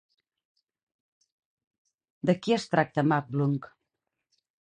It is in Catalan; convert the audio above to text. De qui es tracta Màblung?